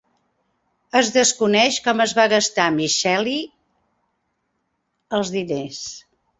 Es desconeix com es va gastar Miceli els diners.